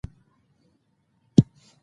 سبا به هرومرو د هغه تر پښو لاندې پروت یې.